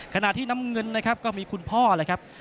ขณะที่น้ำเงินนะครับก็มีคุณพ่อเลยครับ